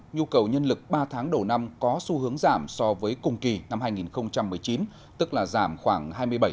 nhu cầu nhân lực ba tháng đầu năm có xu hướng giảm so với cùng kỳ năm hai nghìn một mươi chín tức là giảm khoảng hai mươi bảy